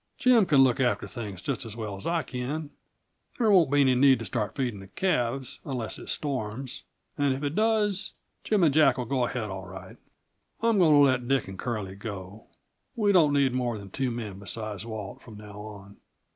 "Jim can look after things just as well as I can. There won't be any need to start feeding the calves, unless it storms; and if it does, Jim and Jack will go ahead, all right. I'm going to let Dick and Curly go. We don't need more than two men besides Walt, from now on."